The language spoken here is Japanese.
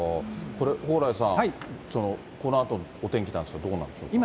これ、蓬莱さん、このあとのお天気なんですが、どうなんでしょうか？